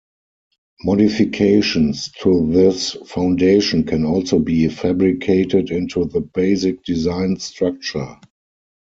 Modifications to this foundation can also be fabricated into the basic design structure.